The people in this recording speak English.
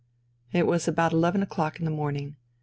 It was about eleven o'clock in the morning.